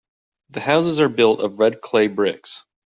The houses are built of red clay bricks.